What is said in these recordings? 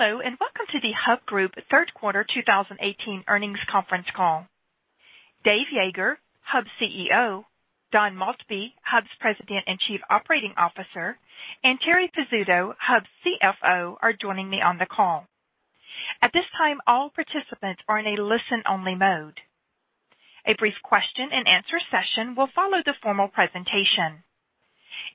Hello, welcome to the Hub Group third quarter 2018 earnings conference call. Dave Yeager, Hub's CEO, Don Maltby, Hub's President and Chief Operating Officer, and Terri Pizzuto, Hub's CFO, are joining me on the call. At this time, all participants are in a listen-only mode. A brief question and answer session will follow the formal presentation.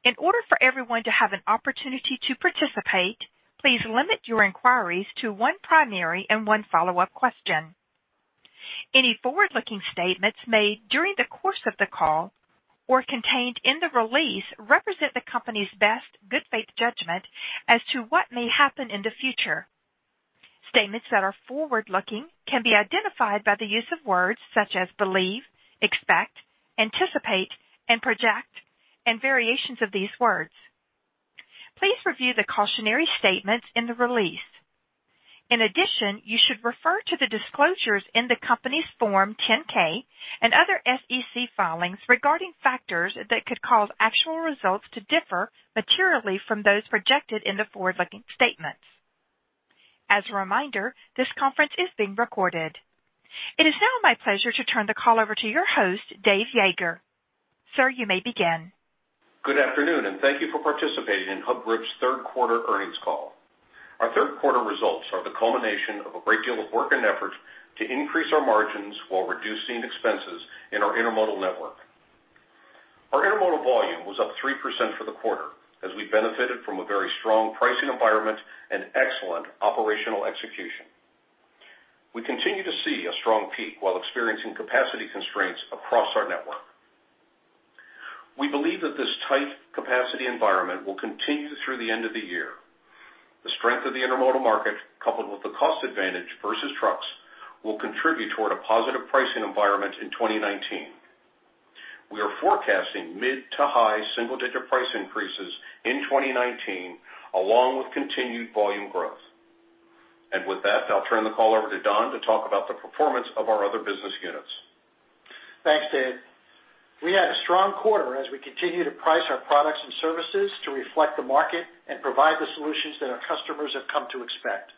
In order for everyone to have an opportunity to participate, please limit your inquiries to one primary and one follow-up question. Any forward-looking statements made during the course of the call or contained in the release represent the company's best good faith judgment as to what may happen in the future. Statements that are forward-looking can be identified by the use of words such as believe, expect, anticipate, and project, and variations of these words. Please review the cautionary statements in the release. You should refer to the disclosures in the company's Form 10-K and other SEC filings regarding factors that could cause actual results to differ materially from those projected in the forward-looking statements. As a reminder, this conference is being recorded. It is now my pleasure to turn the call over to your host, Dave Yeager. Sir, you may begin. Good afternoon, thank you for participating in Hub Group's third quarter earnings call. Our third quarter results are the culmination of a great deal of work and effort to increase our margins while reducing expenses in our intermodal network. Our intermodal volume was up 3% for the quarter as we benefited from a very strong pricing environment and excellent operational execution. We continue to see a strong peak while experiencing capacity constraints across our network. We believe that this tight capacity environment will continue through the end of the year. The strength of the intermodal market, coupled with the cost advantage versus trucks, will contribute toward a positive pricing environment in 2019. We are forecasting mid to high single-digit price increases in 2019, along with continued volume growth. With that, I'll turn the call over to Don to talk about the performance of our other business units. Thanks, Dave. We had a strong quarter as we continue to price our products and services to reflect the market and provide the solutions that our customers have come to expect.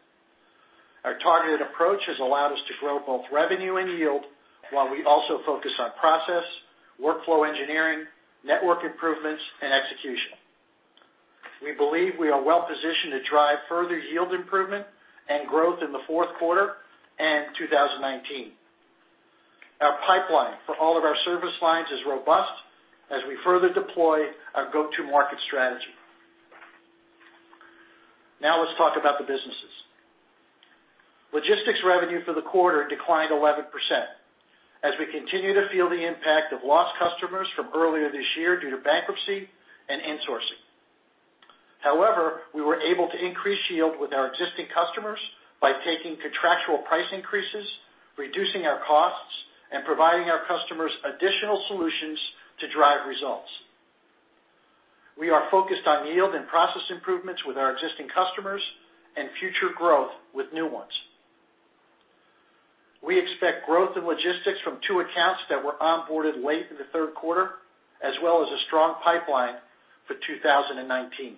Our targeted approach has allowed us to grow both revenue and yield, while we also focus on process, workflow engineering, network improvements, and execution. We believe we are well-positioned to drive further yield improvement and growth in the fourth quarter and 2019. Our pipeline for all of our service lines is robust as we further deploy our go-to-market strategy. Now let's talk about the businesses. Logistics revenue for the quarter declined 11% as we continue to feel the impact of lost customers from earlier this year due to bankruptcy and insourcing. However, we were able to increase yield with our existing customers by taking contractual price increases, reducing our costs, and providing our customers additional solutions to drive results. We are focused on yield and process improvements with our existing customers and future growth with new ones. We expect growth in logistics from two accounts that were onboarded late in the third quarter, as well as a strong pipeline for 2019.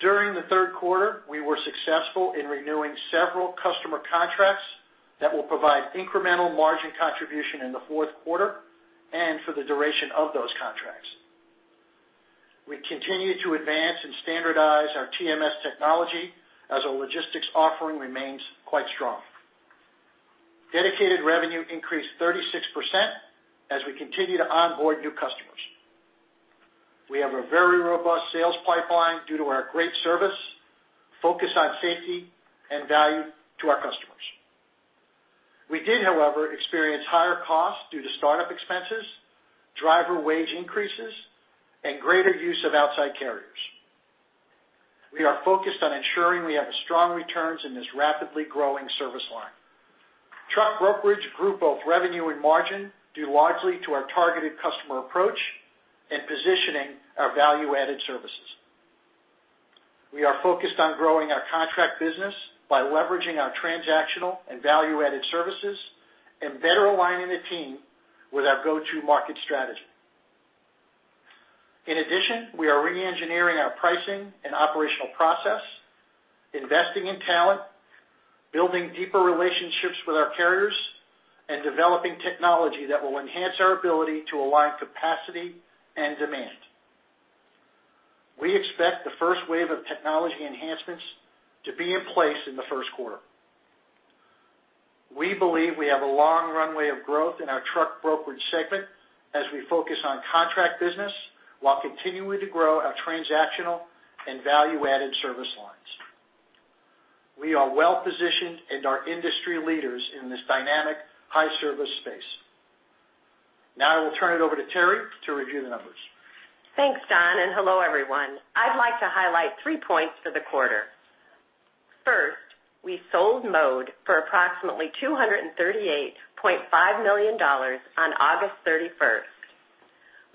During the third quarter, we were successful in renewing several customer contracts that will provide incremental margin contribution in the fourth quarter and for the duration of those contracts. We continue to advance and standardize our TMS technology as our logistics offering remains quite strong. Dedicated revenue increased 36% as we continue to onboard new customers. We have a very robust sales pipeline due to our great service, focus on safety, and value to our customers. We did, however, experience higher costs due to start-up expenses, driver wage increases, and greater use of outside carriers. We are focused on ensuring we have strong returns in this rapidly growing service line. truck brokerage grew both revenue and margin due largely to our targeted customer approach and positioning our value-added services. We are focused on growing our contract business by leveraging our transactional and value-added services and better aligning the team with our go-to-market strategy. In addition, we are re-engineering our pricing and operational process, investing in talent, building deeper relationships with our carriers, and developing technology that will enhance our ability to align capacity and demand. We expect the first wave of technology enhancements to be in place in the first quarter. We believe we have a long runway of growth in our truck brokerage segment as we focus on contract business while continuing to grow our transactional and value-added service lines. We are well-positioned and are industry leaders in this dynamic, high-service space. I will turn it over to Terri to review the numbers. Thanks, Don, hello, everyone. I'd like to highlight three points for the quarter. First, we sold Mode for approximately $238.5 million on August 31st.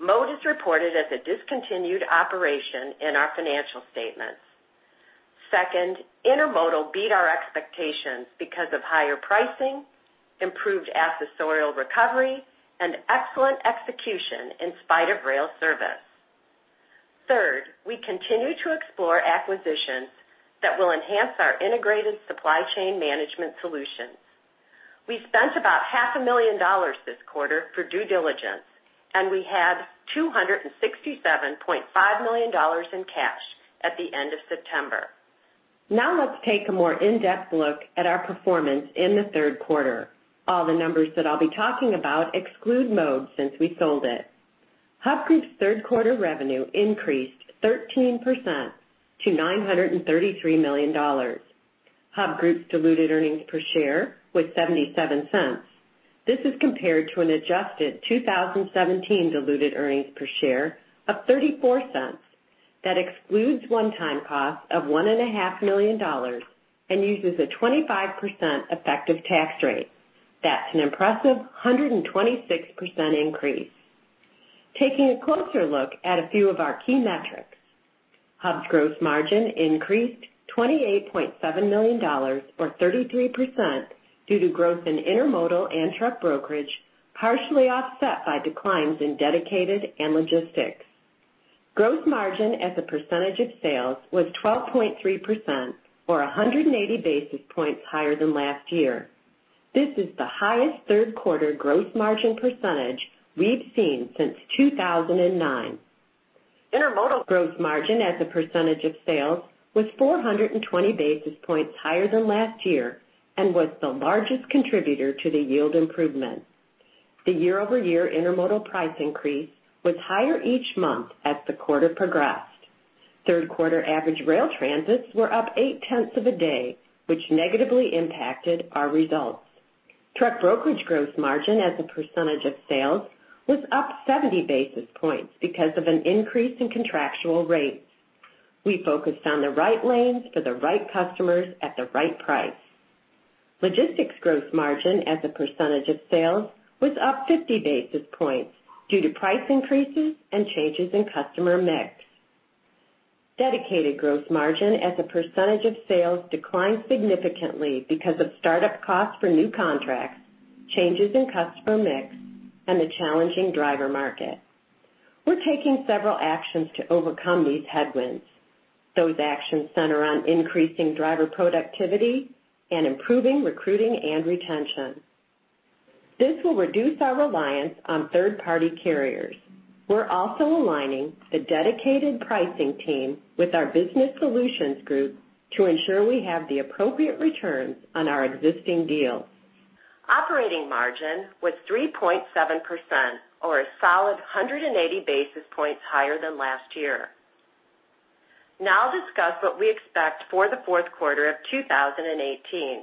Mode is reported as a discontinued operation in our financial statements. Second, intermodal beat our expectations because of higher pricing, improved accessorial recovery, and excellent execution in spite of rail service. Third, we continue to explore acquisitions that will enhance our integrated supply chain management solutions. We spent about half a million dollars this quarter for due diligence, and we had $267.5 million in cash at the end of September. Let's take a more in-depth look at our performance in the third quarter. All the numbers that I'll be talking about exclude Mode since we sold it. Hub Group's third quarter revenue increased 13% to $933 million. Hub Group's diluted earnings per share was $0.77. This is compared to an adjusted 2017 diluted earnings per share of $0.34 that excludes one-time costs of $1.5 million and uses a 25% effective tax rate. That's an impressive 126% increase. Taking a closer look at a few of our key metrics. Hub's gross margin increased $28.7 million, or 33%, due to growth in intermodal and truck brokerage, partially offset by declines in dedicated and logistics. Gross margin as a percentage of sales was 12.3%, or 180 basis points higher than last year. This is the highest third quarter gross margin percentage we've seen since 2009. Intermodal gross margin as a percentage of sales was 420 basis points higher than last year and was the largest contributor to the yield improvement. The year-over-year intermodal price increase was higher each month as the quarter progressed. Third quarter average rail transits were up eight tenths of a day, which negatively impacted our results. Truck brokerage gross margin as a percentage of sales was up 70 basis points because of an increase in contractual rates. We focused on the right lanes for the right customers at the right price. Logistics gross margin as a percentage of sales was up 50 basis points due to price increases and changes in customer mix. Dedicated gross margin as a percentage of sales declined significantly because of start-up costs for new contracts, changes in customer mix, and a challenging driver market. We're taking several actions to overcome these headwinds. Those actions center on increasing driver productivity and improving recruiting and retention. This will reduce our reliance on third-party carriers. We're also aligning the dedicated pricing team with our business solutions group to ensure we have the appropriate returns on our existing deals. Operating margin was 3.7%, or a solid 180 basis points higher than last year. I'll discuss what we expect for the fourth quarter of 2018.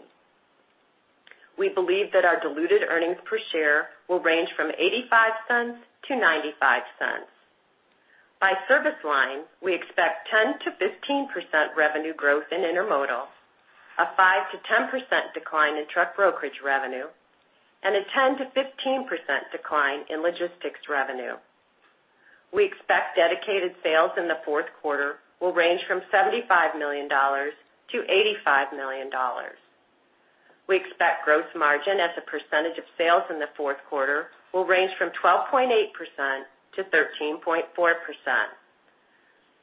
We believe that our diluted earnings per share will range from $0.85-$0.95. By service line, we expect 10%-15% revenue growth in intermodal, a 5%-10% decline in truck brokerage revenue, and a 10%-15% decline in logistics revenue. We expect dedicated sales in the fourth quarter will range from $75 million-$85 million. We expect gross margin as a percentage of sales in the fourth quarter will range from 12.8%-13.4%.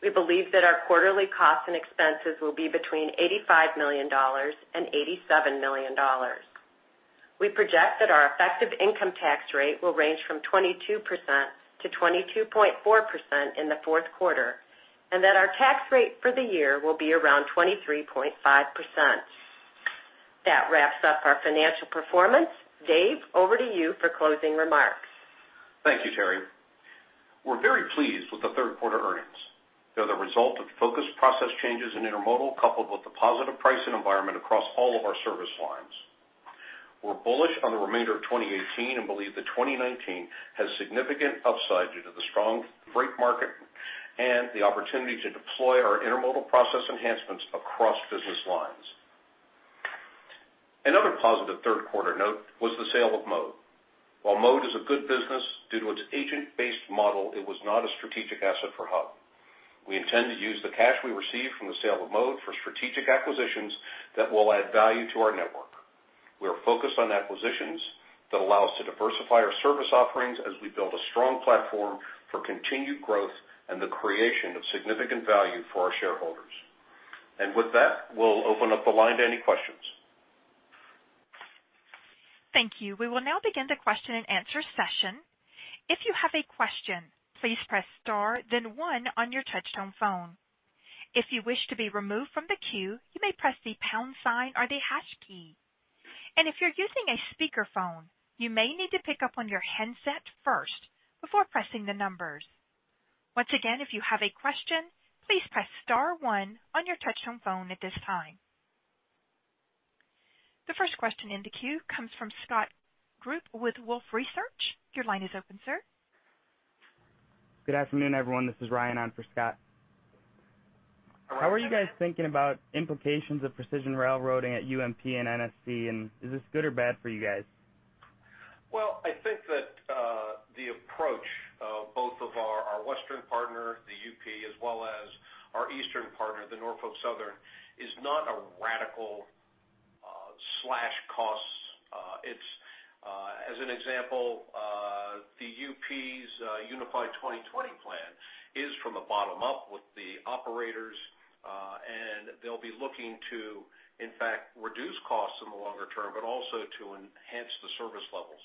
We believe that our quarterly costs and expenses will be between $85 million and $87 million. We project that our effective income tax rate will range from 22%-22.4% in the fourth quarter, and that our tax rate for the year will be around 23.5%. That wraps up our financial performance. Dave, over to you for closing remarks. Thank you, Terri. We're very pleased with the third quarter earnings. They're the result of focused process changes in intermodal, coupled with the positive pricing environment across all of our service lines. We're bullish on the remainder of 2018, and believe that 2019 has significant upside due to the strong freight market and the opportunity to deploy our intermodal process enhancements across business lines. Another positive third quarter note was the sale of Mode. While Mode is a good business, due to its agent-based model, it was not a strategic asset for Hub. We intend to use the cash we received from the sale of Mode for strategic acquisitions that will add value to our network. We are focused on acquisitions that allow us to diversify our service offerings as we build a strong platform for continued growth and the creation of significant value for our shareholders. With that, we'll open up the line to any questions. Thank you. We will now begin the question and answer session. If you have a question, please press star then one on your touchtone phone. If you wish to be removed from the queue, you may press the pound sign or the hash key. If you're using a speakerphone, you may need to pick up on your handset first before pressing the numbers. Once again, if you have a question, please press star one on your touchtone phone at this time. The first question in the queue comes from Scott Group with Wolfe Research. Your line is open, sir. Good afternoon, everyone. This is Ryan on for Scott. Hello, Ryan. How are you guys thinking about implications of Precision Scheduled Railroading at UP and NSC, and is this good or bad for you guys? Well, I think that the approach of both of our western partner, the UP, as well as our eastern partner, the Norfolk Southern, is not a radical slash costs. As an example, the UP's Unified Plan 2020 is from a bottom up with the operators, and they'll be looking to, in fact, reduce costs in the longer term, but also to enhance the service levels.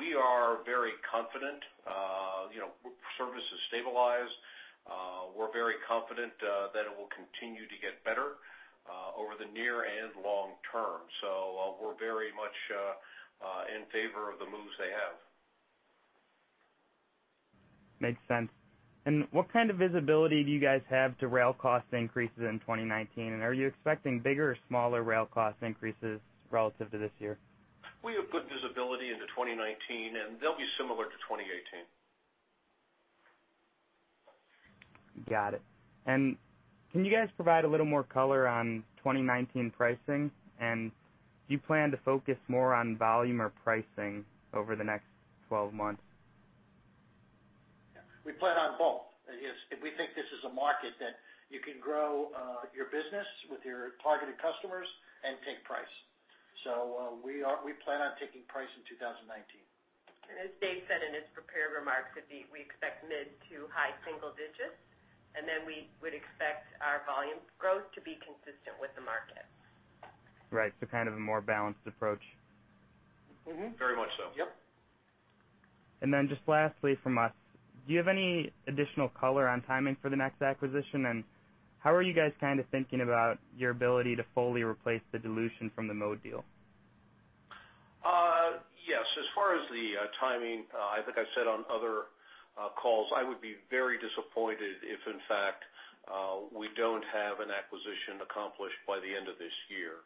We are very confident. Service is stabilized. We're very confident that it will continue to get better over the near and long term. We're very much in favor of the moves they have. Makes sense. What kind of visibility do you guys have to rail cost increases in 2019? Are you expecting bigger or smaller rail cost increases relative to this year? We have good visibility into 2019. They'll be similar to 2018. Got it. Can you guys provide a little more color on 2019 pricing? Do you plan to focus more on volume or pricing over the next 12 months? Yeah. We plan on both. We think this is a market that you can grow your business with your targeted customers and take price. We plan on taking price in 2019. As Dave said in his prepared remarks, we expect mid to high single digits. We would expect our volume growth to be consistent with the market. Right. Kind of a more balanced approach. Very much so. Yep. Just lastly from us, do you have any additional color on timing for the next acquisition? How are you guys thinking about your ability to fully replace the dilution from the Mode deal? Yes, as far as the timing, I think I said on other calls, I would be very disappointed if, in fact, we don't have an acquisition accomplished by the end of this year.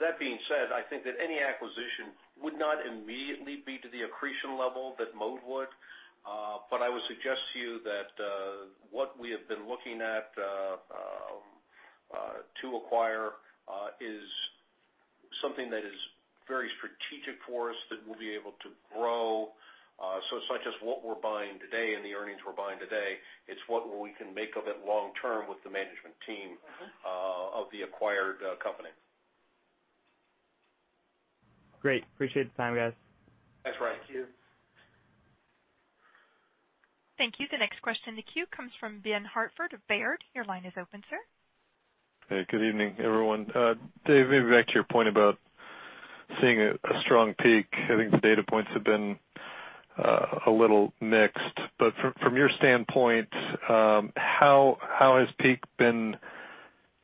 That being said, I think that any acquisition would not immediately be to the accretion level that Mode would. I would suggest to you that what we have been looking at to acquire is something that is very strategic for us, that we'll be able to grow. It's not just what we're buying today and the earnings we're buying today, it's what we can make of it long term with the management team. of the acquired company. Great. Appreciate the time, guys. Thanks, Ryan. Thank you. Thank you. The next question in the queue comes from Ben Hartford of Baird. Your line is open, sir. Hey, good evening, everyone. Dave, maybe back to your point about seeing a strong peak. I think the data points have been a little mixed. From your standpoint, how has peak been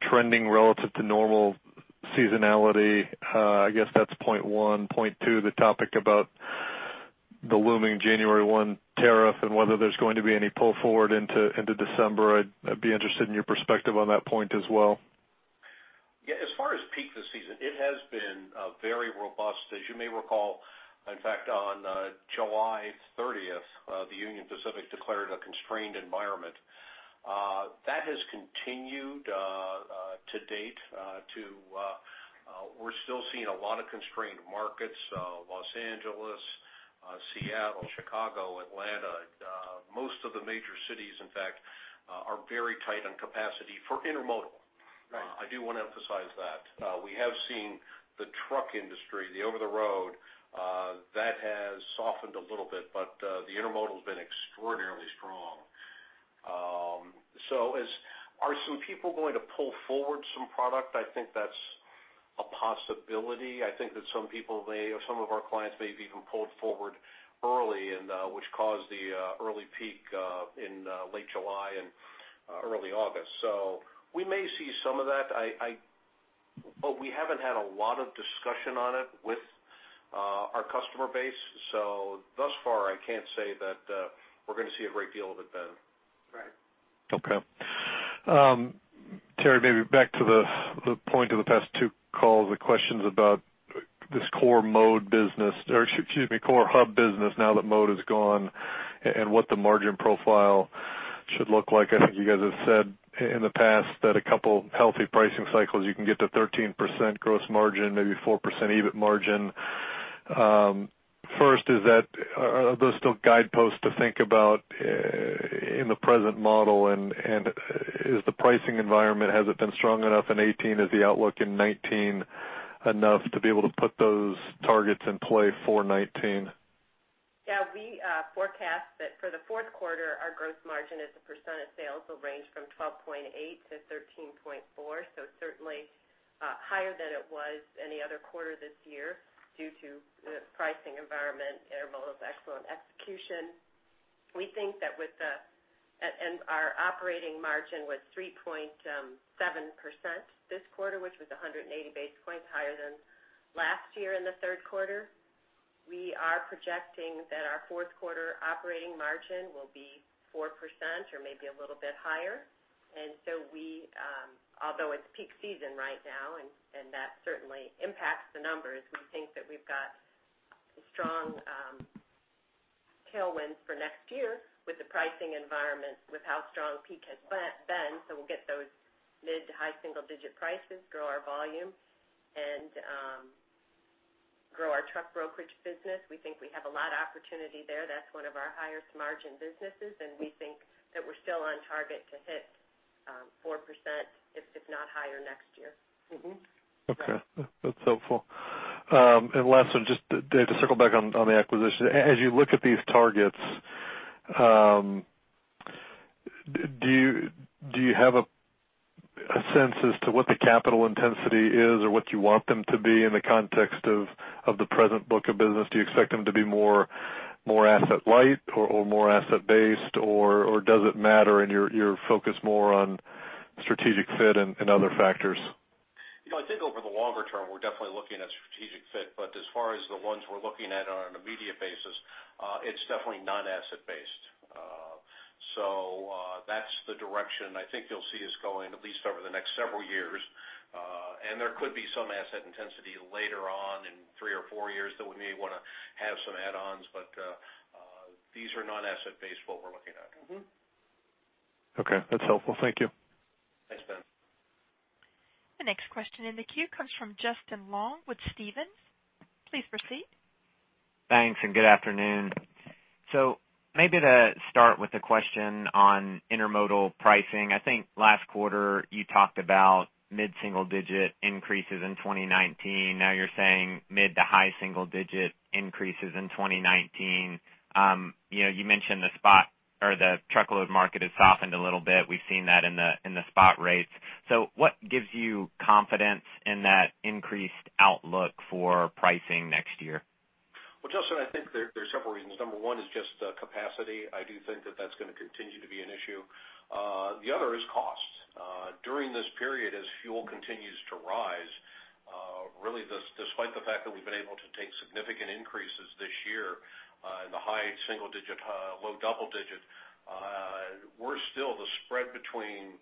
trending relative to normal seasonality? I guess that's point one. Point two, the topic about the looming January 1 tariff and whether there's going to be any pull forward into December. I'd be interested in your perspective on that point as well. Yeah. As far as peak this season, it has been very robust. As you may recall, in fact, on July 30th, the Union Pacific declared a constrained environment. That has continued to date to we're still seeing a lot of constrained markets, Los Angeles, Seattle, Chicago, Atlanta. Most of the major cities, in fact, are very tight on capacity for intermodal. Right. I do want to emphasize that. We have seen the truck industry, the over-the-road, that has softened a little bit, the intermodal has been extraordinarily strong. Are some people going to pull forward some product? I think that's a possibility. I think that some of our clients may have even pulled forward early, which caused the early peak in late July and early August. We may see some of that, but we haven't had a lot of discussion on it with our customer base. Thus far, I can't say that we're going to see a great deal of it then. Right. Okay. Terri, maybe back to the point of the past two calls, the questions about this core Mode business, or excuse me, core Hub business now that Mode is gone, and what the margin profile should look like. I think you guys have said in the past that a couple healthy pricing cycles, you can get to 13% gross margin, maybe 4% EBIT margin. First, are those still guideposts to think about in the present model? Is the pricing environment, has it been strong enough in 2018? Is the outlook in 2019 enough to be able to put those targets in play for 2019? Yeah. We forecast that for the fourth quarter, our gross margin as a percent of sales will range from 12.8%-13.4%. Certainly higher than it was any other quarter this year due to the pricing environment, Intermodal's excellent execution. Our operating margin was 3.7% this quarter, which was 180 basis points higher than last year in the third quarter. We are projecting that our fourth quarter operating margin will be 4% or maybe a little bit higher. Although it's peak season right now, and that certainly impacts the numbers, we think that we've got strong tailwinds for next year with the pricing environment, with how strong peak has been. We'll get those mid to high single digit prices, grow our volume Our truck brokerage business, we think we have a lot of opportunity there. That's one of our highest margin businesses, and we think that we're still on target to hit 4%, if not higher next year. Okay. That's helpful. Last one, just Dave, to circle back on the acquisition. As you look at these targets, do you have a sense as to what the capital intensity is or what you want them to be in the context of the present book of business? Do you expect them to be more asset light or more asset based, or does it matter, and you're focused more on strategic fit and other factors? I think over the longer term, we're definitely looking at strategic fit. As far as the ones we're looking at on an immediate basis, it's definitely non-asset based. That's the direction I think you'll see us going at least over the next several years. There could be some asset intensity later on in three or four years that we may want to have some add-ons. These are non-asset based, what we're looking at. Okay. That's helpful. Thank you. Thanks, Ben. The next question in the queue comes from Justin Long with Stephens. Please proceed. Thanks, and good afternoon. Maybe to start with a question on intermodal pricing. I think last quarter you talked about mid-single-digit increases in 2019. Now you're saying mid to high single digit increases in 2019. You mentioned the truckload market has softened a little bit. We've seen that in the spot rates. What gives you confidence in that increased outlook for pricing next year? Well, Justin, I think there's several reasons. Number one is just capacity. I do think that that's going to continue to be an issue. The other is cost. During this period as fuel continues to rise, really despite the fact that we've been able to take significant increases this year in the high single digit, low double digit, we're still the spread between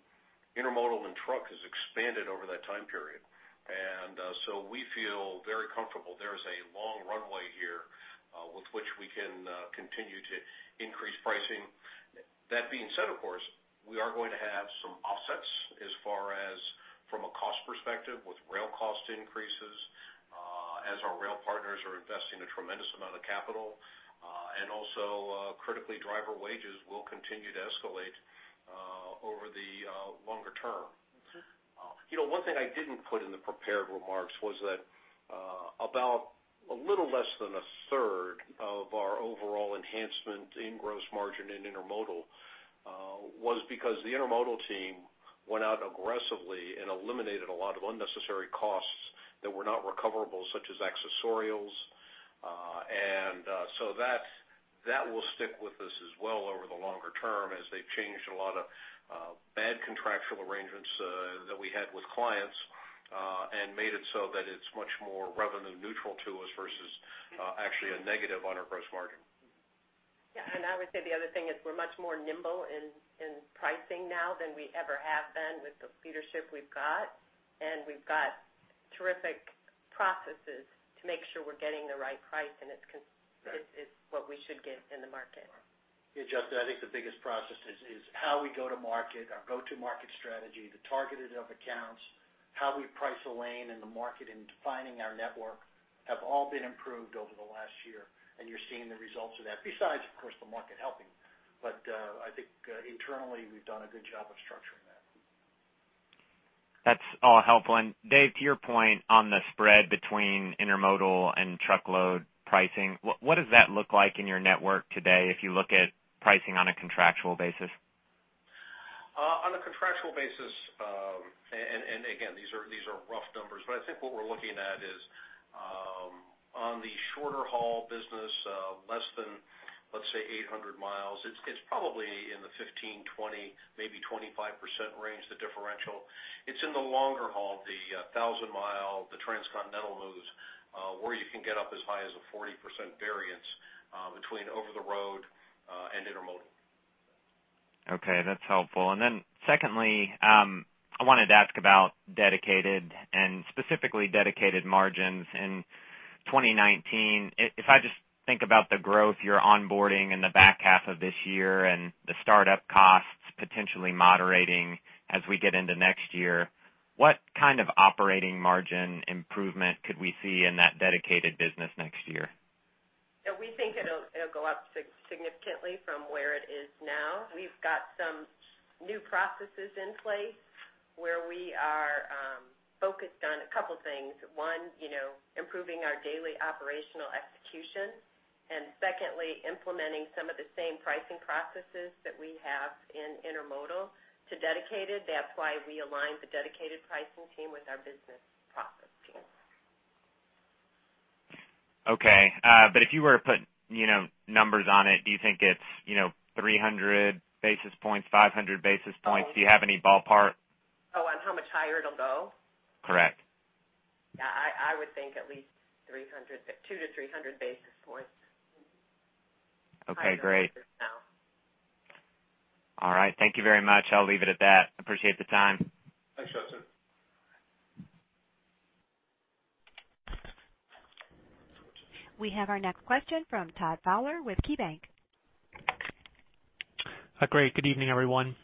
intermodal and truck has expanded over that time period. We feel very comfortable there is a long runway here with which we can continue to increase pricing. That being said, of course, we are going to have some offsets as far as from a cost perspective with rail cost increases as our rail partners are investing a tremendous amount of capital. Critically, driver wages will continue to escalate over the longer term. One thing I didn't put in the prepared remarks was that about a little less than a third of our overall enhancement in gross margin in intermodal was because the intermodal team went out aggressively and eliminated a lot of unnecessary costs that were not recoverable, such as accessorials. That will stick with us as well over the longer term as they've changed a lot of bad contractual arrangements that we had with clients, and made it so that it's much more revenue neutral to us versus actually a negative on our gross margin. I would say the other thing is we're much more nimble in pricing now than we ever have been with the leadership we've got. We've got terrific processes to make sure we're getting the right price, and it's what we should get in the market. Right. Yeah, Justin, I think the biggest process is how we go to market, our go-to market strategy, the targeted of accounts, how we price a lane in the market, and defining our network have all been improved over the last year. You're seeing the results of that, besides, of course, the market helping. I think internally, we've done a good job of structuring that. That's all helpful. Dave, to your point on the spread between intermodal and truckload pricing, what does that look like in your network today if you look at pricing on a contractual basis? On a contractual basis, again, these are rough numbers, I think what we're looking at is on the shorter haul business, less than, let's say, 800 miles, it's probably in the 15%, 20%, maybe 25% range, the differential. It's in the longer haul, the 1,000 mile, the transcontinental moves, where you can get up as high as a 40% variance between over the road and intermodal. Okay, that's helpful. Then secondly, I wanted to ask about dedicated and specifically dedicated margins in 2019. If I just think about the growth you're onboarding in the back half of this year and the startup costs potentially moderating as we get into next year, what kind of operating margin improvement could we see in that dedicated business next year? We think it'll go up significantly from where it is now. We've got some new processes in place where we are focused on a couple things. One, improving our daily operational execution. Secondly, implementing some of the same pricing processes that we have in intermodal to dedicated. That's why we aligned the dedicated pricing team with our business process team. Okay. If you were to put numbers on it, do you think it's 300 basis points, 500 basis points? Do you have any ballpark? On how much higher it'll go? Correct. Yeah, I would think at least 200 to 300 basis points. Okay, great. All right. Thank you very much. I'll leave it at that. Appreciate the time. Thanks, Justin. We have our next question from Todd Fowler with KeyBank. Great. Good evening, everyone.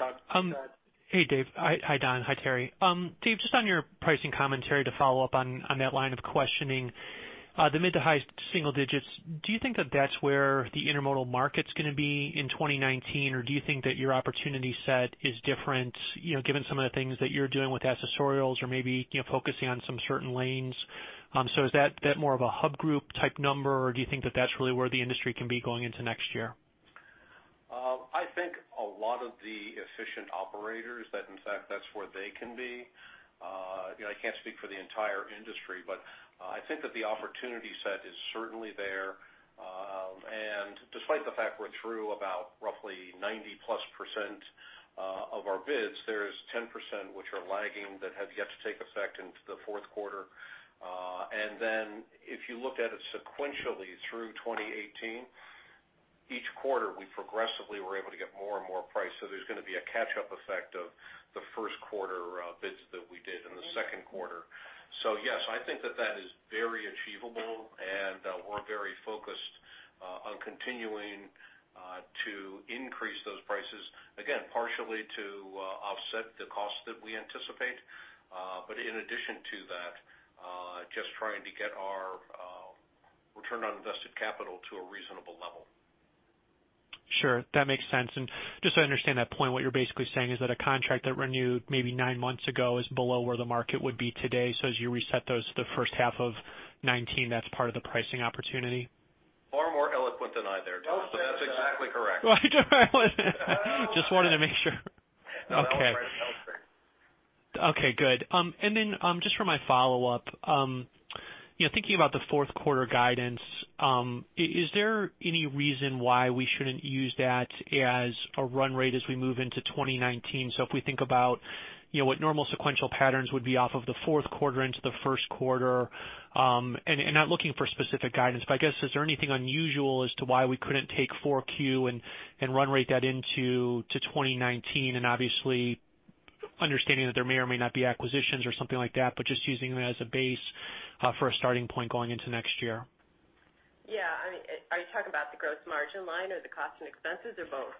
Hi, Todd. Hey, Dave. Hi, Don. Hi, Teri. Dave, just on your pricing commentary to follow up on that line of questioning, the mid to high single digits, do you think that that's where the intermodal market's going to be in 2019? Or do you think that your opportunity set is different, given some of the things that you're doing with accessorials or maybe focusing on some certain lanes? Is that more of a Hub Group type number, or do you think that that's really where the industry can be going into next year? I think a lot of the efficient operators that, in fact, that's where they can be. I can't speak for the entire industry, but I think that the opportunity set is certainly there. Despite the fact we're true about roughly 90+% of our bids, there is 10%, which are lagging, that have yet to take effect into the fourth quarter. If you look at it sequentially through 2018, each quarter, we progressively were able to get more and more price. There's going to be a catch-up effect of the first quarter bids that we did in the second quarter. Yes, I think that that is very achievable, and we're very focused on continuing to increase those prices. Again, partially to offset the cost that we anticipate. In addition to that, just trying to get our return on invested capital to a reasonable level. Sure. That makes sense. Just so I understand that point, what you're basically saying is that a contract that renewed maybe nine months ago is below where the market would be today. As you reset those the first half of 2019, that's part of the pricing opportunity? Far more eloquent than I there, Todd. Well said, Todd. That's exactly correct. Just wanted to make sure. Okay. Well said. Just for my follow-up, thinking about the fourth quarter guidance, is there any reason why we shouldn't use that as a run rate as we move into 2019? If we think about what normal sequential patterns would be off of the fourth quarter into the first quarter, not looking for specific guidance, but I guess, is there anything unusual as to why we couldn't take 4Q and run rate that into 2019? Obviously, understanding that there may or may not be acquisitions or something like that, but just using that as a base for a starting point going into next year. Yeah. Are you talking about the gross margin line or the cost and expenses, or both?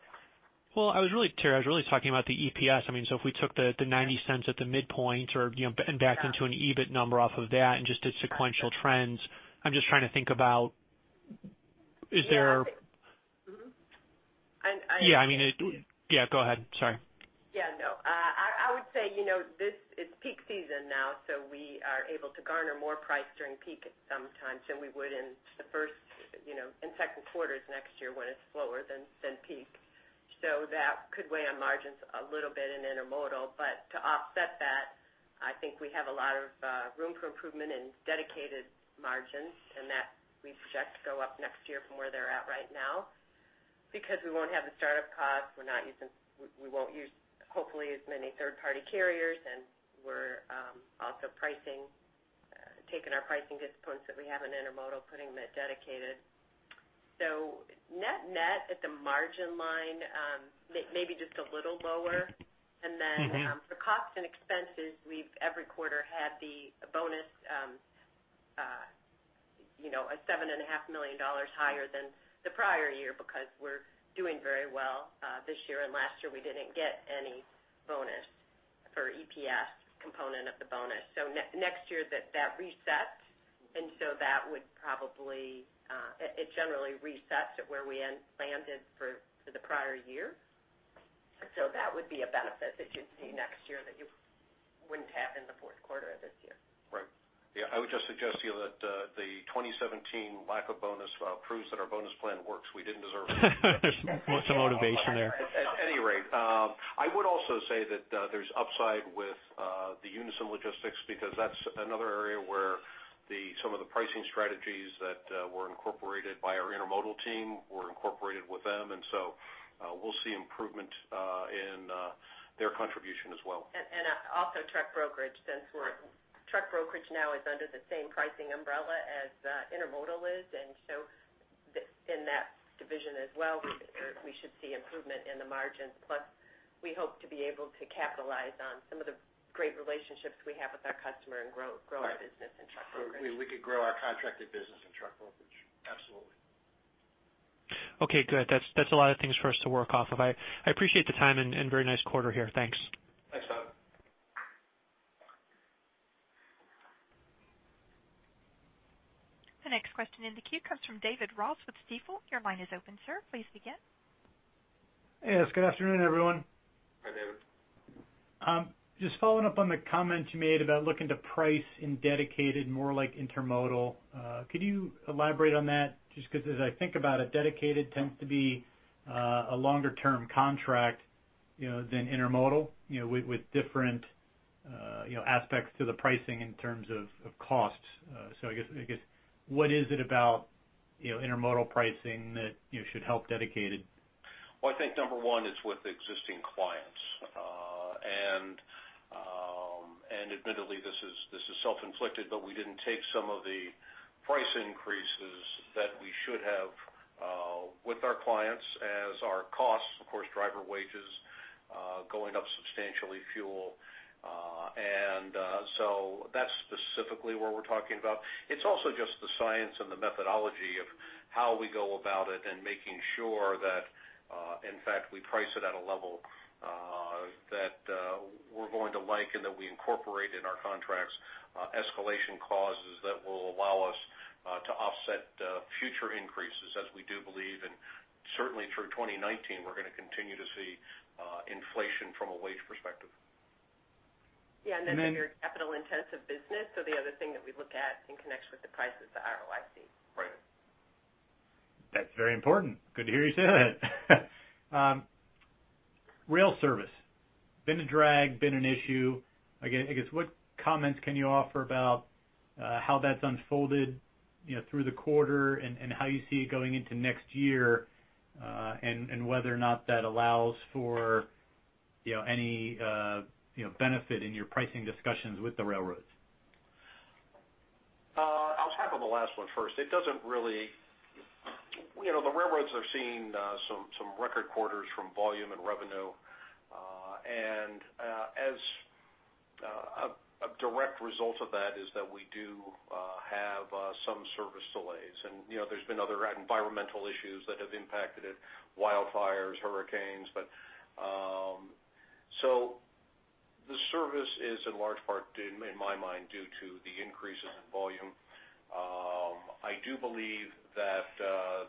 Well, Teri, I was really talking about the EPS. If we took the $0.90 at the midpoint and back into an EBIT number off of that and just did sequential trends. I'm just trying to think about, is there- Yeah. Yeah, go ahead. Sorry. Yeah, no. I would say, this, it's peak season now, we are able to garner more price during peak at some times than we would in the first and second quarters next year when it's slower than peak. That could weigh on margins a little bit in intermodal. To offset that, I think we have a lot of room for improvement in dedicated margins, and that we expect to go up next year from where they're at right now because we won't have the startup costs, we won't use, hopefully, as many third-party carriers, and we're also taking our pricing disciplines that we have in intermodal, putting them at dedicated. Net-net at the margin line, maybe just a little lower. For costs and expenses, we've every quarter had the bonus, a $7.5 million higher than the prior year because we're doing very well this year. Last year we didn't get any bonus for EPS component of the bonus. Next year, that resets, that would probably It generally resets at where we ended for the prior year. That would be a benefit that you'd see next year that you wouldn't have in the fourth quarter of this year. Right. Yeah, I would just suggest to you that the 2017 lack of bonus proves that our bonus plan works. We didn't deserve it. Lots of motivation there. At any rate, I would also say that there's upside with the Unyson Logistics because that's another area where some of the pricing strategies that were incorporated by our intermodal team were incorporated with them. We'll see improvement in their contribution as well. Truck brokerage since truck brokerage now is under the same pricing umbrella as intermodal is, and so in that division as well, we should see improvement in the margins. Plus, we hope to be able to capitalize on some of the great relationships we have with our customer and grow our business in truck brokerage. We could grow our contracted business in truck brokerage. Absolutely. Okay, good. That's a lot of things for us to work off of. I appreciate the time and very nice quarter here. Thanks. Thanks, Todd. The next question in the queue comes from David Ross with Stifel. Your line is open, sir. Please begin. Yes, good afternoon, everyone. Hi, David. Following up on the comments you made about looking to price in dedicated more like intermodal. Could you elaborate on that? Just because as I think about it, dedicated tends to be a longer-term contract than intermodal, with different aspects to the pricing in terms of costs. I guess, what is it about intermodal pricing that should help dedicated? Well, I think number one, it's with existing clients. Admittedly, this is self-inflicted, but we didn't take some of the price increases that we should have with our clients as our costs, of course, driver wages going up substantially fuel. That's specifically what we're talking about. It's also just the science and the methodology of how we go about it and making sure that, in fact, we price it at a level that we're going to like and that we incorporate in our contracts escalation clauses that will allow us to offset future increases, as we do believe, and certainly through 2019, we're going to continue to see inflation from a wage perspective. Yeah, you're a capital-intensive business, the other thing that we look at in connection with the price is the ROIC. Right. That's very important. Good to hear you say that. Rail service. Been a drag, been an issue. I guess, what comments can you offer about how that's unfolded through the quarter and how you see it going into next year, and whether or not that allows for any benefit in your pricing discussions with the railroads? I'll tackle the last one first. The railroads are seeing some record quarters from volume and revenue. As a direct result of that is that we do have some service delays. There's been other environmental issues that have impacted it, wildfires, hurricanes. The service is in large part, in my mind, due to the increases in volume. I do believe that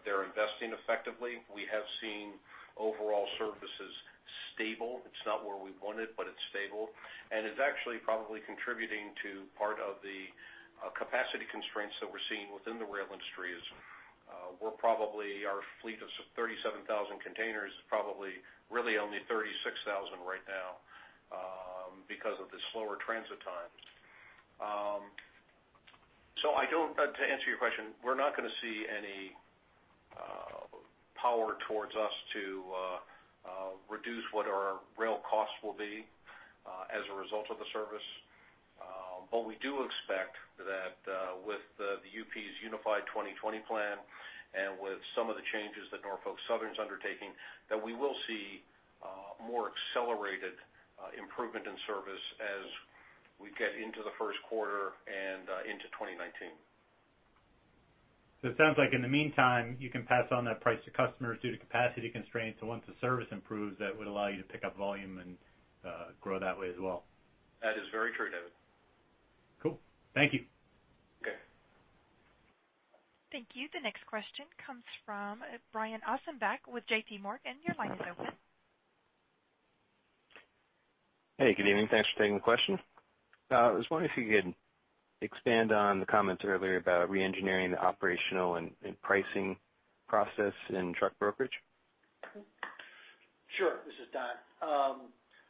they're investing effectively. We have seen overall services stable. It's not where we want it, but it's stable. It's actually probably contributing to part of the capacity constraints that we're seeing within the rail industry is probably our fleet of 37,000 containers is probably really only 36,000 right now because of the slower transit times. To answer your question, we're not going to see any power towards us to reduce what our rail costs will be as a result of the service. We do expect that with the UP's Unified Plan 2020 and with some of the changes that Norfolk Southern's undertaking, that we will see more accelerated improvement in service as we get into the first quarter and into 2019. It sounds like in the meantime, you can pass on that price to customers due to capacity constraints, so once the service improves, that would allow you to pick up volume and grow that way as well. That is very true, David. Cool. Thank you. Okay. Thank you. The next question comes from Brian Ossenbeck with JPMorgan. Your line is open. Hey, good evening. Thanks for taking the question. I was wondering if you could expand on the comments earlier about re-engineering the operational and pricing process in truck brokerage. Sure. This is Don.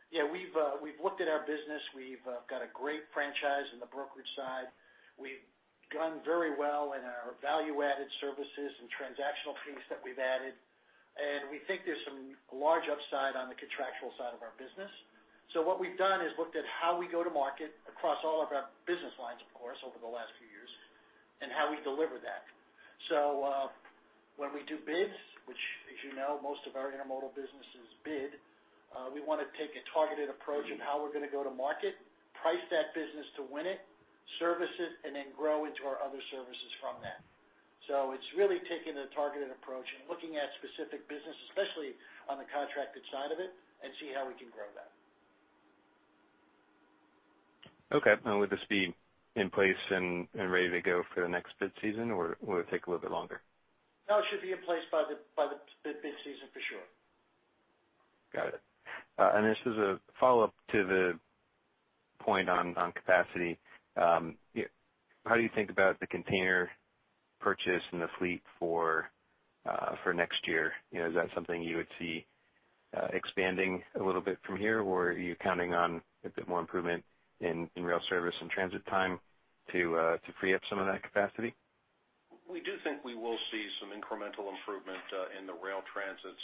Yeah, we've looked at our business. We've got a great franchise in the brokerage side. We've done very well in our value-added services and transactional piece that we've added, and we think there's some large upside on the contractual side of our business. What we've done is looked at how we go to market across all of our business lines, of course, over the last few years, and how we deliver that. When we do bids, which as you know, most of our intermodal business is bid, we want to take a targeted approach in how we're going to go to market, price that business to win it, service it, and then grow into our other services from that. It's really taking the targeted approach and looking at specific business, especially on the contracted side of it, and see how we can grow that. Okay. Would this be in place and ready to go for the next bid season, or will it take a little bit longer? No, it should be in place by the bid season for sure. Got it. This is a follow-up to the point on capacity. How do you think about the container purchase and the fleet for next year? Is that something you would see expanding a little bit from here, or are you counting on a bit more improvement in rail service and transit time to free up some of that capacity? We do think we will see some incremental improvement in the rail transits.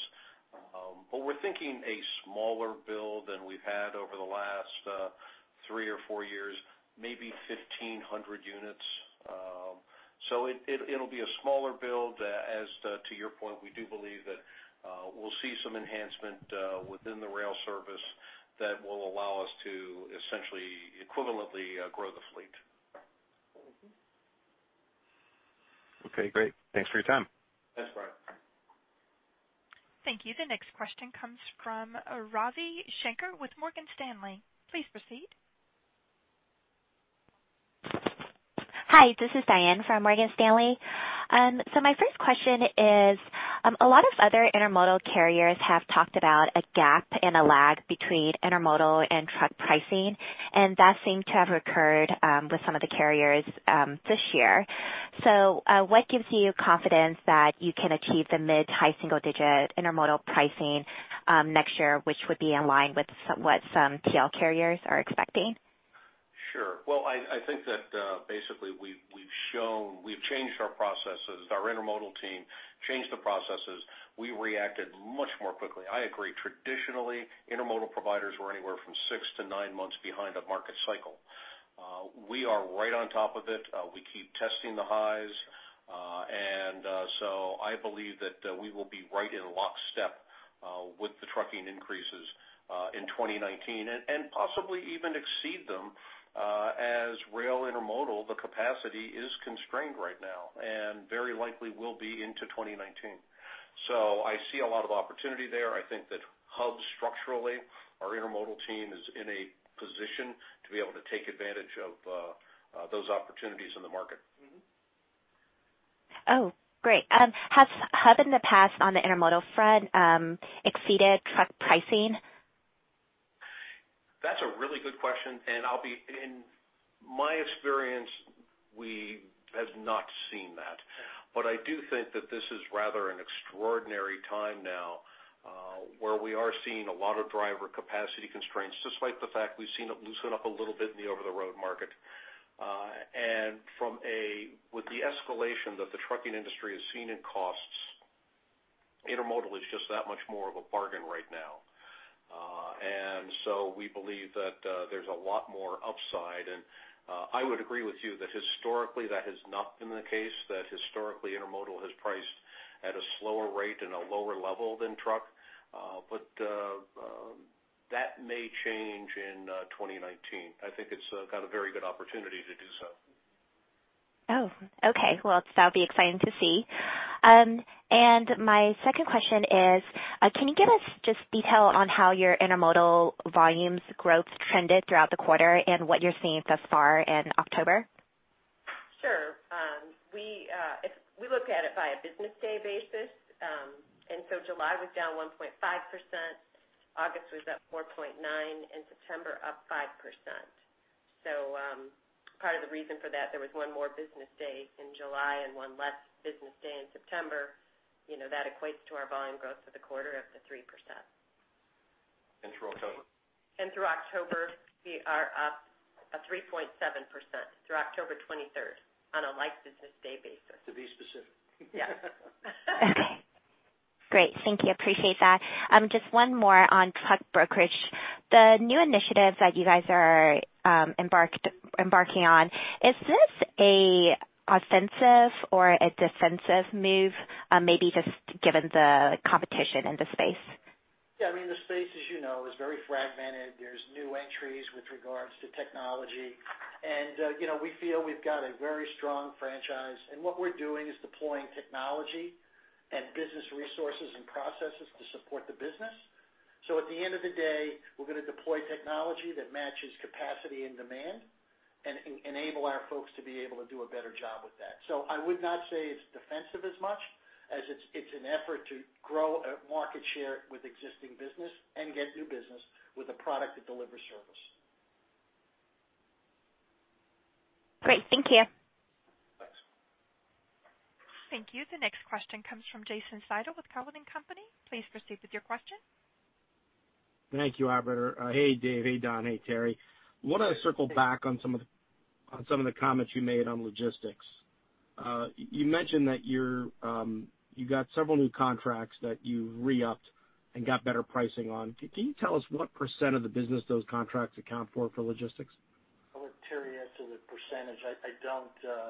We're thinking a smaller build than we've had over the last three or four years, maybe 1,500 units. It'll be a smaller build as to your point, we do believe that we'll see some enhancement within the rail service that will allow us to essentially equivalently grow the fleet. Okay, great. Thanks for your time. Thanks, Brian. Thank you. The next question comes from Ravi Shanker with Morgan Stanley. Please proceed. Hi, this is Diane from Morgan Stanley. My first question is, a lot of other intermodal carriers have talked about a gap and a lag between intermodal and truck pricing, and that seemed to have occurred with some of the carriers this year. What gives you confidence that you can achieve the mid-to-high single-digit intermodal pricing next year, which would be in line with what some TL carriers are expecting? Sure. Well, I think that basically we've changed our processes. Our intermodal team changed the processes. We reacted much more quickly. I agree, traditionally, intermodal providers were anywhere from six to nine months behind a market cycle. We are right on top of it. We keep testing the highs. I believe that we will be right in lockstep with the trucking increases in 2019, and possibly even exceed them as rail intermodal, the capacity is constrained right now, and very likely will be into 2019. I see a lot of opportunity there. I think that Hub structurally, our intermodal team is in a position to be able to take advantage of those opportunities in the market. Oh, great. Has Hub in the past, on the intermodal front, exceeded truck pricing? That's a really good question. In my experience, we have not seen that. I do think that this is rather an extraordinary time now, where we are seeing a lot of driver capacity constraints, despite the fact we've seen it loosen up a little bit in the over-the-road market. With the escalation that the trucking industry has seen in costs, intermodal is just that much more of a bargain right now. We believe that there's a lot more upside. I would agree with you that historically, that has not been the case, that historically intermodal has priced at a slower rate and a lower level than truck. That may change in 2019. I think it's got a very good opportunity to do so. Oh, okay. Well, that'll be exciting to see. My second question is, can you give us just detail on how your intermodal volumes growth trended throughout the quarter, and what you're seeing thus far in October? Sure. We look at it by a business day basis. July was down 1.5%, August was up 4.9%, and September up 5%. Part of the reason for that, there was one more business day in July and one less business day in September. That equates to our volume growth for the quarter up to 3%. Through October. Through October, we are up 3.7%, through October 23rd, on a like business day basis. To be specific. Yes. Okay. Great. Thank you. Appreciate that. Just one more on truck brokerage. The new initiatives that you guys are embarking on, is this an offensive or a defensive move, maybe just given the competition in the space? Yeah, the space, as you know, is very fragmented. There's new entries with regards to technology. We feel we've got a very strong franchise. What we're doing is deploying technology and business resources and processes to support the business. At the end of the day, we're going to deploy technology that matches capacity and demand and enable our folks to be able to do a better job with that. I would not say it's defensive as much as it's an effort to grow market share with existing business and get new business with a product that delivers service. Great. Thank you. Thanks. Thank you. The next question comes from Jason Seidl with Cowen and Company. Please proceed with your question. Thank you, operator. Hey, Dave. Hey, Don. Hey, Teri. Want to circle back on some of the comments you made on logistics. You mentioned that you got several new contracts that you re-upped and got better pricing on. Can you tell us what % of the business those contracts account for logistics? I'll let Terri answer the %.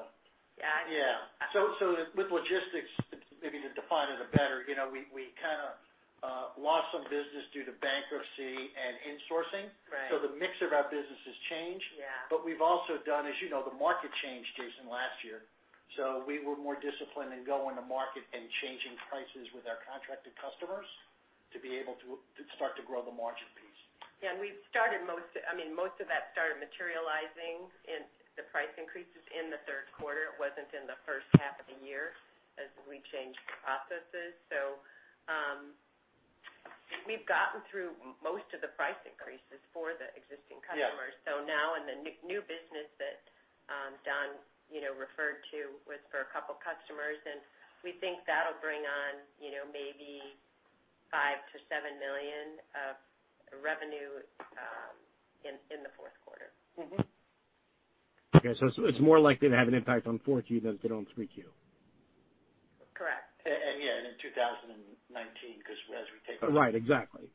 Yeah, I can. Yeah. With logistics, maybe to define it a better, we kind of lost some business due to bankruptcy and insourcing. Right. The mix of our business has changed. Yeah. We've also done, as you know, the market changed, Jason, last year. We were more disciplined in going to market and changing prices with our contracted customers to be able to start to grow the margin piece. Yeah, most of that started materializing in the price increases in the third quarter. It wasn't in the first half of the year as we changed processes. We've gotten through most of the price increases for the existing customers. Yeah. Now in the new business that Don referred to was for a couple customers, and we think that'll bring on maybe five to seven million of revenue in the fourth quarter. Okay. It's more likely to have an impact on 4Q than it did on 3Q. Correct. Yeah, in 2019 because as we take- Right. Exactly.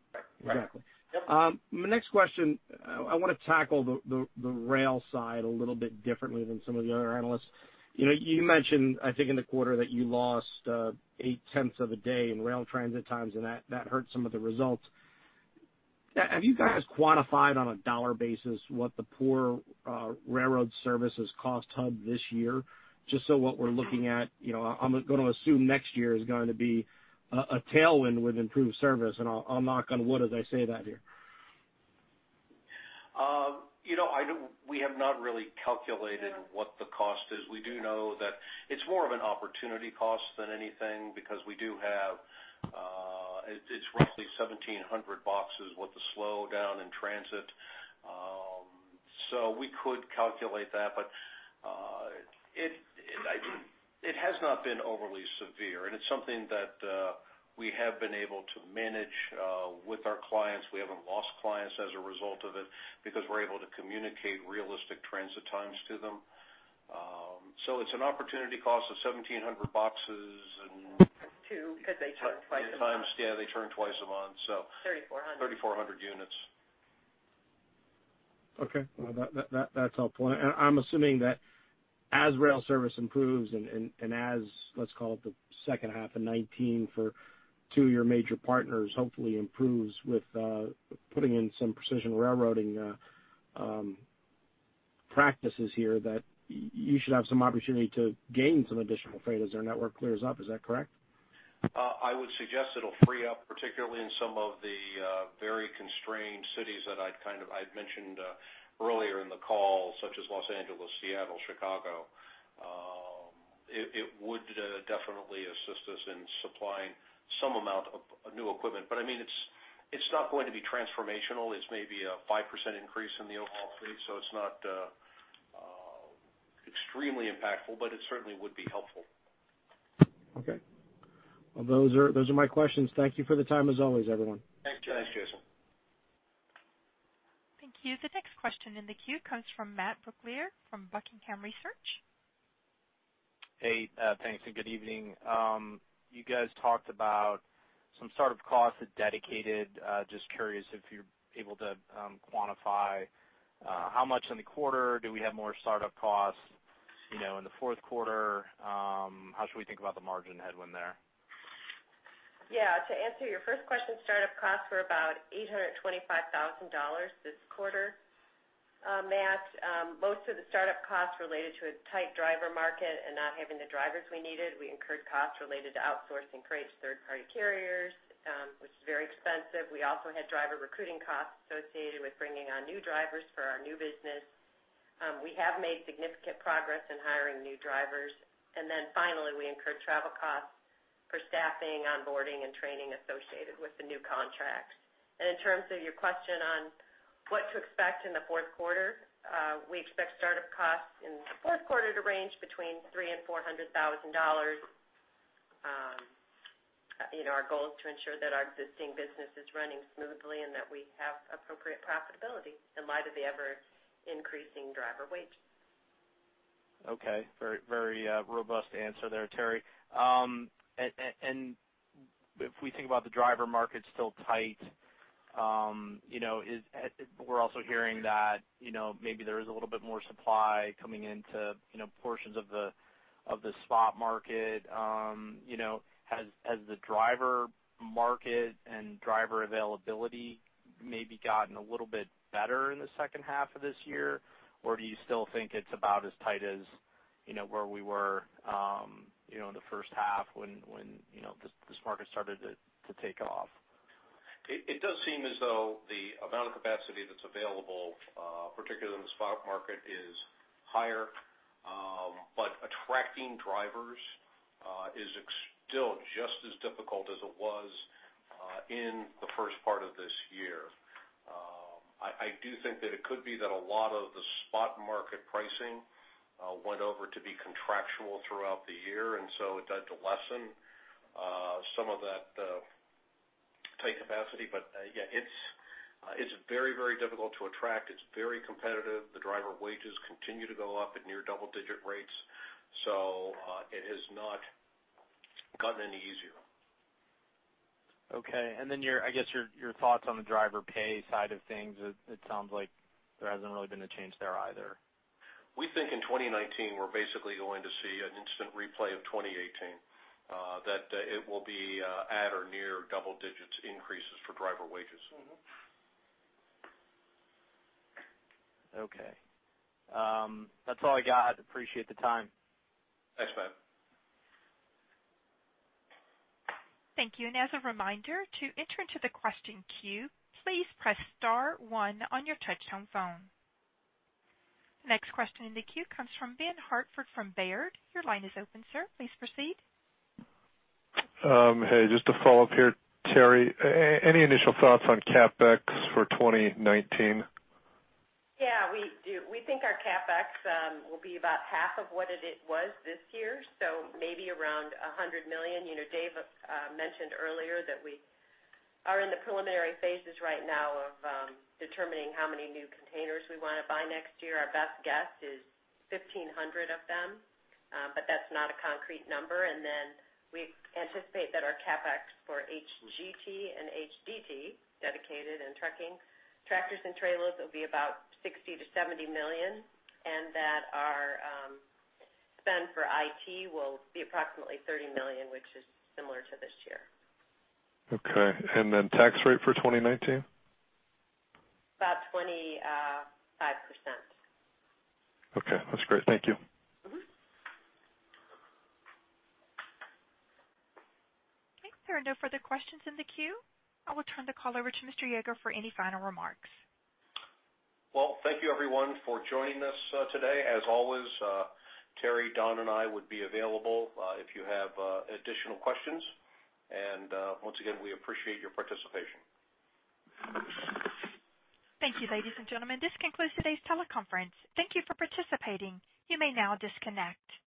Right. Exactly. Yep. My next question, I want to tackle the rail side a little bit differently than some of the other analysts. You mentioned, I think in the quarter that you lost eight tenths of a day in rail transit times, and that hurt some of the results. Have you guys quantified on a dollar basis what the poor railroad services cost Hub this year? Just what we're looking at, I'm going to assume next year is going to be a tailwind with improved service, and I'll knock on wood as I say that here. We have not really calculated what the cost is. We do know that it's more of an opportunity cost than anything because we do have It's roughly 1,700 boxes with the slowdown in transit. We could calculate that, but it has not been overly severe, and it's something that we have been able to manage with our clients. We haven't lost clients as a result of it because we're able to communicate realistic transit times to them. So it's an opportunity cost of 1,700 boxes. Two, because they turn twice a month. Yeah, they turn twice a month. 3,400. 3,400 units. Okay. Well, that's all point. I'm assuming that as rail service improves, and as, let's call it the second half of 2019, for two of your major partners, hopefully improves with putting in some precision railroading practices here that you should have some opportunity to gain some additional freight as their network clears up. Is that correct? I would suggest it'll free up, particularly in some of the very constrained cities that I'd mentioned earlier in the call, such as Los Angeles, Seattle, Chicago. It would definitely assist us in supplying some amount of new equipment. It's not going to be transformational. It's maybe a 5% increase in the overall fleet, so it's not extremely impactful, but it certainly would be helpful. Okay. Well, those are my questions. Thank you for the time, as always, everyone. Thanks, Jason. Thanks, Jason. Thank you. The next question in the queue comes from Matt Brooklier from Buckingham Research. Hey, thanks, good evening. You guys talked about some startup costs at Dedicated. Just curious if you're able to quantify how much in the quarter. Do we have more startup costs in the fourth quarter? How should we think about the margin headwind there? Yeah. To answer your first question, startup costs were about $825,000 this quarter. Matt, most of the startup costs related to a tight driver market and not having the drivers we needed. We incurred costs related to outsourcing freight to third-party carriers, which is very expensive. We also had driver recruiting costs associated with bringing on new drivers for our new business. We have made significant progress in hiring new drivers. Then finally, we incurred travel costs for staffing, onboarding, and training associated with the new contracts. In terms of your question on what to expect in the fourth quarter, we expect startup costs in the fourth quarter to range between $300,000 and $400,000. Our goal is to ensure that our existing business is running smoothly and that we have appropriate profitability in light of the ever-increasing driver wages. Okay. Very robust answer there, Teri. If we think about the driver market's still tight, we're also hearing that maybe there is a little bit more supply coming into portions of the spot market. Has the driver market and driver availability maybe gotten a little bit better in the second half of this year? Or do you still think it's about as tight as where we were in the first half when this market started to take off? It does seem as though the amount of capacity that's available, particularly in the spot market, is higher. Attracting drivers is still just as difficult as it was in the first part of this year. I do think that it could be that a lot of the spot market pricing went over to be contractual throughout the year, so it had to lessen some of that tight capacity. Yeah, it's very difficult to attract. It's very competitive. The driver wages continue to go up at near double-digit rates, so it has not gotten any easier. Okay. I guess your thoughts on the driver pay side of things, it sounds like there hasn't really been a change there either. We think in 2019, we're basically going to see an instant replay of 2018, that it will be at or near double-digit increases for driver wages. Okay. That's all I got. Appreciate the time. Thanks, Matt. Thank you. As a reminder, to enter into the question queue, please press star one on your touch-tone phone. Next question in the queue comes from Ben Hartford from Baird. Your line is open, sir. Please proceed. Hey, just a follow-up here. Terri, any initial thoughts on CapEx for 2019? Yeah, we do. We think our CapEx will be about half of what it was this year, so maybe around $100 million. Dave mentioned earlier that we are in the preliminary phases right now of determining how many new containers we want to buy next year. Our best guess is 1,500 of them, but that's not a concrete number. Then we anticipate that our CapEx for HGT and HDT, Dedicated and trucking tractors and trailers, will be about $60 million-$70 million, and that our spend for IT will be approximately $30 million, which is similar to this year. Okay. Then tax rate for 2019? About 25%. Okay. That's great. Thank you. Okay, there are no further questions in the queue. I will turn the call over to Mr. Yeager for any final remarks. Well, thank you everyone for joining us today. As always, Teri, Don, and I would be available if you have additional questions. Once again, we appreciate your participation. Thank you, ladies and gentlemen. This concludes today's teleconference. Thank you for participating. You may now disconnect.